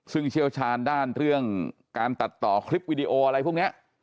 ซึ่งเชี่ยวชาญด้านเรื่องการตัดต่อคลิปวิดีโออะไรพวกนี้